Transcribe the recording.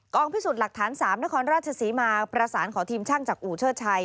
พิสูจน์หลักฐาน๓นครราชศรีมาประสานขอทีมช่างจากอู่เชิดชัย